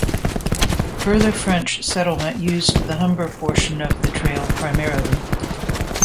Further French settlement used the Humber portion of the trail primarily.